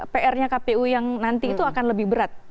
pr nya kpu yang nanti itu akan lebih berat